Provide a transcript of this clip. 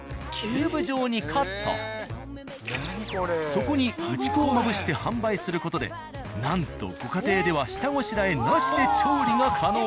そこに打ち粉をまぶして販売する事でなんとご家庭では下ごしらえなしで調理が可能。